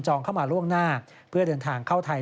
เข้ามาล่วงหน้าเพื่อเดินทางเข้าไทย